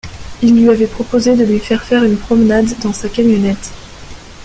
Il lui avait proposé de lui faire faire une promenade dans sa camionnette.